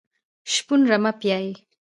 شپون رمه پیایي .